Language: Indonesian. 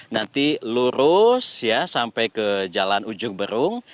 nanti lurus ya sampai ke jalan ujung berung